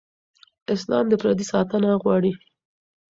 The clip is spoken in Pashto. اسلام د پردې ساتنه غواړي.